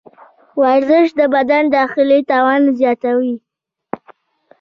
ورزش د بدن داخلي توان زیاتوي.